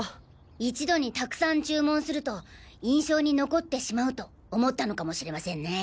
一度にたくさん注文すると印象に残ってしまうと思ったのかもしれませんね。